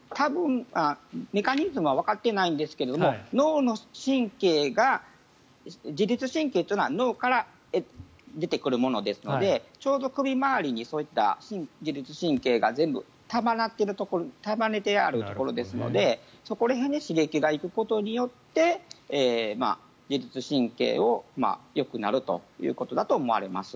メカニズムはわかってないんですが脳の神経が自律神経というのは脳から出てくるものですのでちょうど首周りにそういった自律神経が全部束ねてあるところですのでそこら辺に刺激が行くことによって自律神経がよくなるということだと思います。